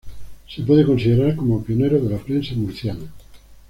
Se puede considerar como pionero de la prensa murciana.